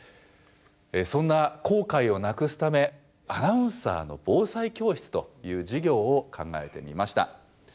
そんな後悔をなくすため「アナウンサーの防災教室」という授業を考えてみました。